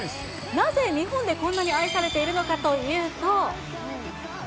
なぜ日本でこんなに愛されているのかというと。